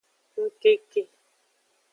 Ngkeke.